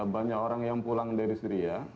banyak orang yang pulang dari syria